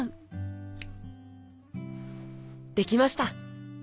できました。